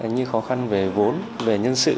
như khó khăn về vốn về nhân sự